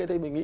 thế mình nghĩ